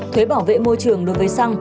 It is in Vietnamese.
thuế bảo vệ môi trường đối với xăng